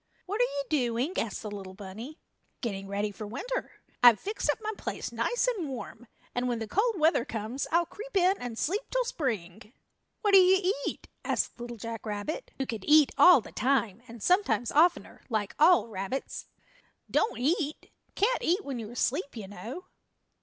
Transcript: "What are you doing?" asked the little bunny. "Getting ready for winter. I've fixed up my place nice and warm, and when the cold weather comes I'll creep in and sleep till Spring." "What do you eat?" asked Little Jack Rabbit, who could eat all the time, and sometimes oftener, like all rabbits. "Don't eat can't eat when you're asleep, you know."